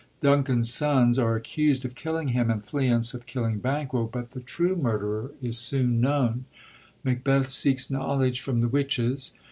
Duncan's sons are accused of killing him. and Fleance of killing Banquo, but the 124 MACBETH KING LEAR true murderer is soon known. Macbeth seeks knowledge from the witches.